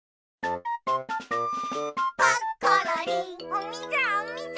おみずおみず。